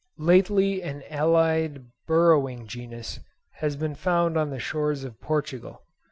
Lately an allied burrowing genus has been found on the shores of Portugal.